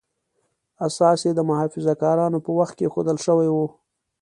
اساس یې د محافظه کارانو په وخت کې ایښودل شوی و.